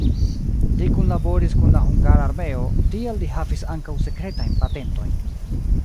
Li kunlaboris kun la hungara armeo, tial li havis ankaŭ sekretajn patentojn.